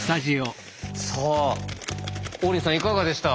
さあ王林さんいかがでした？